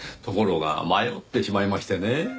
ところが迷ってしまいましてねぇ。